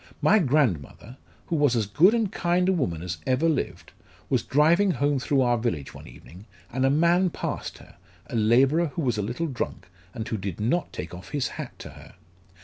My grandmother, who was as good and kind a woman as ever lived, was driving home through our village one evening, and a man passed her, a labourer who was a little drunk, and who did not take off his hat to her.